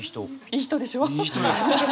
いい人でしょ？